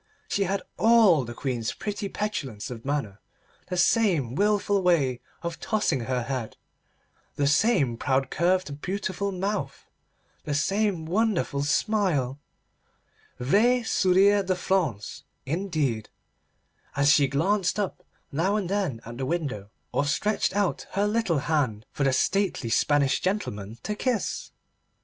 She had all the Queen's pretty petulance of manner, the same wilful way of tossing her head, the same proud curved beautiful mouth, the same wonderful smile—vrai sourire de France indeed—as she glanced up now and then at the window, or stretched out her little hand for the stately Spanish gentlemen to kiss.